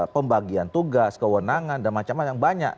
pembagian tugas kewenangan dan macam macam banyak